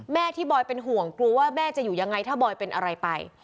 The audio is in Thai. แม่ที่บอยเป็นห่วงกลัวว่าแม่จะอยู่ยังไงถ้าบอยเป็นอะไรไป